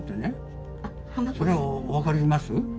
それ分かります？